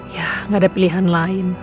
gak ada pilihan lain